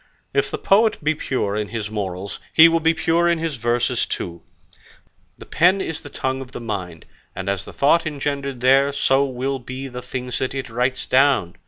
If the poet be pure in his morals, he will be pure in his verses too; the pen is the tongue of the mind, and as the thought engendered there, so will be the things that it writes down.